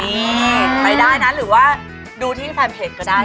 นี่ใครได้นะหรือว่าดูที่แฟนเพจก็ได้